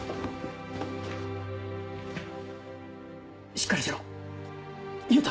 しっかりしろ優太！